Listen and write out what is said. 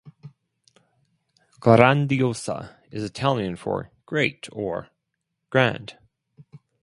"Grandiosa" is Italian for "great" or "grand".